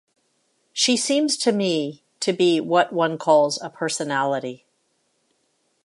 She seems to me to be what one calls a personality.